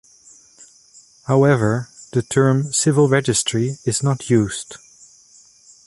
However, the term 'civil registry' is not used.